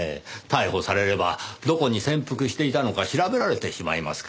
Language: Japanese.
逮捕されればどこに潜伏していたのか調べられてしまいますからねぇ。